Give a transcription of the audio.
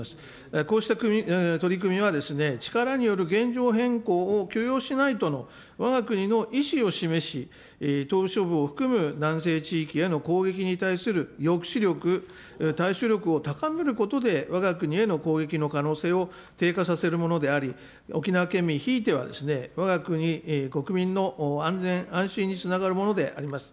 こうした取り組みは、力による現状変更を許容しないとのわが国の意思を示し、島しょ部を含む、南西地域への攻撃に対する抑止力、対処力を高めることで、わが国への攻撃の可能性を低下させるものであり、沖縄県民、ひいてはわが国国民の安全安心につながるものであります。